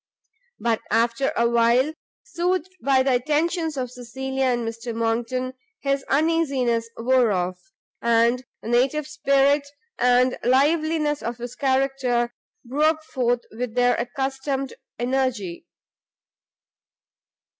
But, after a while, soothed by the attentions of Cecilia and Mr Monckton, his uneasiness wore off, and the native spirit and liveliness of his character broke forth with their accustomed energy.